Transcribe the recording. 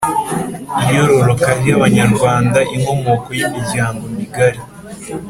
Iyororoka ry’Abanyarwanda, Inkomoko y’imiryango migari